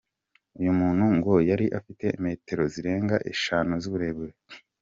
Uyu muntu ngo yari afite metero zirenga eshanu z’uburebure.